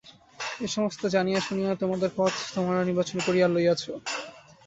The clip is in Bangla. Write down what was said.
এ-সমস্তই জানিয়া শুনিয়া তোমাদের পথ তোমরা নির্বাচন করিয়া লইয়াছ।